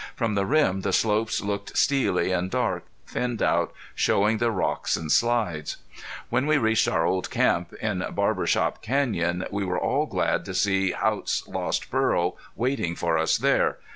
From the rim the slopes looked steely and dark, thinned out, showing the rocks and slides. When we reached our old camp in Barber Shop Canyon we were all glad to see Haught's lost burro waiting for us there.